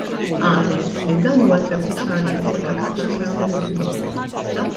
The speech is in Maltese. Qalet li dan huwa eżempju ċar ieħor ta' kaċċa sostenibbli.